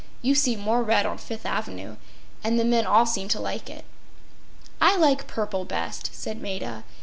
You see more red on Fifth avenue. And the men all seem to like it.” “I like purple best,” said Maida.